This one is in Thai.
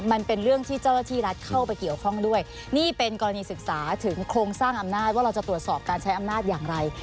มันเป็นเรื่องที่เจ้าหน้าที่รัฐเข้าไปเกี่ยวข้องด้วยนี่เป็นกรณีศึกษาถึงโครงสร้างอำนาจว่าเราจะตรวจสอบการใช้อำนาจอย่างไร